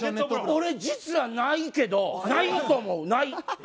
俺、実はないけどないと思う。